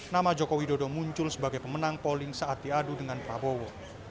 nama joko widodo muncul sebagai pemenang polling saat diadu dengan prabowo